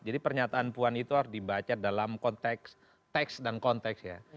jadi pernyataan puan itu harus dibaca dalam konteks teks dan konteks ya